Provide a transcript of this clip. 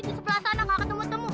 di sebelah sana gak ketemu temu